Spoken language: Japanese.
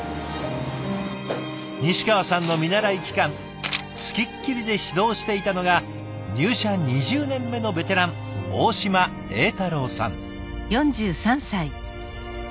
西川さんの見習期間付きっきりで指導していたのが入社２０年目のベテラン大島栄太郎さん。